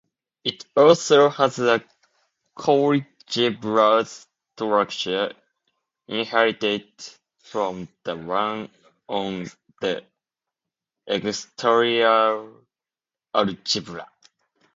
It also has a coalgebra structure inherited from the one on the exterior algebra.